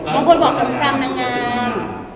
บางคนบอกสงครามนางงาม